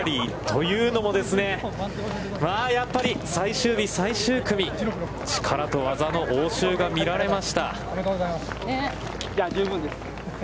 というのもですね、最終日最終組、力と技の応酬が見られました。